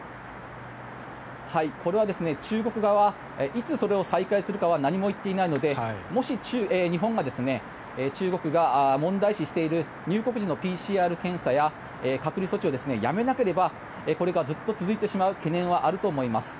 これは中国側はいつそれを再開するかは何も言っていないのでもし日本が中国が問題視している入国時のＰＣＲ検査や隔離措置をやめなければこれがずっと続いてしまう懸念はあると思います。